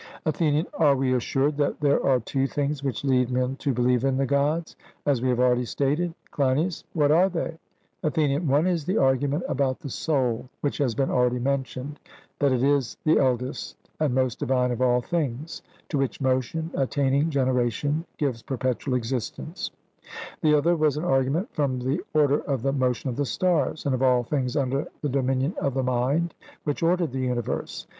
ATHENIAN: Are we assured that there are two things which lead men to believe in the Gods, as we have already stated? CLEINIAS: What are they? ATHENIAN: One is the argument about the soul, which has been already mentioned that it is the eldest and most divine of all things, to which motion attaining generation gives perpetual existence; the other was an argument from the order of the motion of the stars, and of all things under the dominion of the mind which ordered the universe.